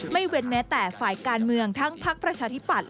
เว้นแม้แต่ฝ่ายการเมืองทั้งพักประชาธิปัตย